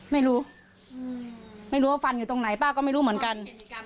ไม่รู้ไม่รู้ว่าฟันอยู่ตรงไหนป้าก็ไม่รู้เหมือนกัน